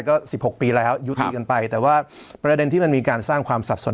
ก็๑๖ปีแล้วยุติกันไปแต่ว่าประเด็นที่มันมีการสร้างความสับสน